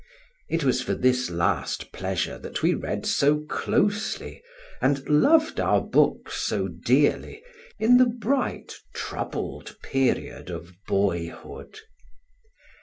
It was for this last pleasure that we read so closely, and loved our books so dearly, in the bright, troubled period of boyhood.